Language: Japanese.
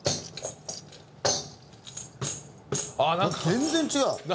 全然違う。